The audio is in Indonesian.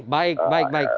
baik baik baik